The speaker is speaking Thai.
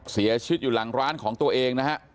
เสียชีวิตอยู่หลังร้านของตัวเองนะฮะ